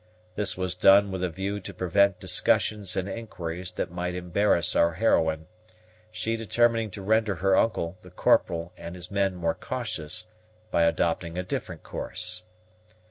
This was done with a view to prevent discussions and inquiries that might embarrass our heroine: she determining to render her uncle, the Corporal, and his men more cautious, by adopting a different course.